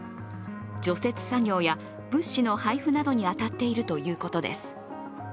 除雪作業や物資の配布などに当たっているということです。